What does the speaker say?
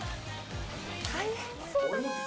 大変そうだな。